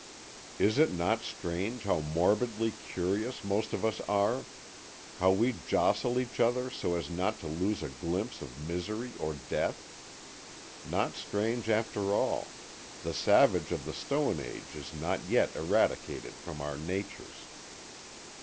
Is it not strange how morbidly curious most of us are? How we jostle each other so as not to lose a glimpse of misery or death? Not strange, after all the savage of the stone age is not yet eradicated from our natures.